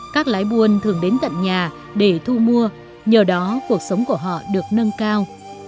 các lái buôn thường đến tận nhà để thu mua nhờ đó cuộc sống của họ được nâng cao